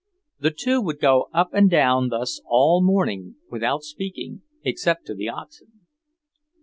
The two would go up and down thus all morning without speaking, except to the oxen.